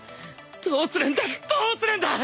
どうするんだどうするんだ！